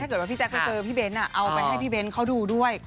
ถ้าเกิดว่าพี่แจ๊คไปเจอพี่เบ้นเอาไปให้พี่เบ้นเขาดูด้วย